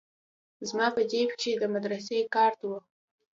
زما په جيب کښې د مدرسې کارت و.